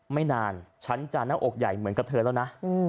ไม่นานฉันจะหน้าอกใหญ่เหมือนกับเธอแล้วนะ